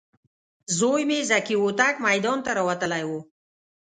زوی مې ذکي هوتک میدان ته راوتلی و.